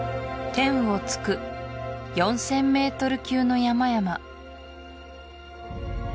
天を突く４０００ｍ級の山々